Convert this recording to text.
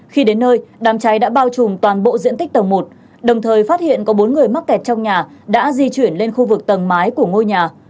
khi đến nơi đàm cháy đã bao trùm toàn bộ diện tích tầng một đồng thời phát hiện có bốn người mắc kẹt trong nhà đã di chuyển lên khu vực tầng mái của ngôi nhà